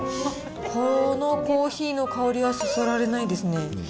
このコーヒーの香りはそそられないですね。